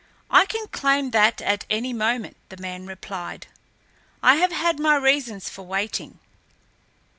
"I can claim that at any moment," the man replied. "I have had my reasons for waiting.